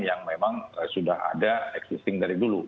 yang memang sudah ada existing dari dulu